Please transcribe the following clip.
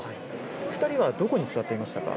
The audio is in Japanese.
２人はどこに座っていましたか。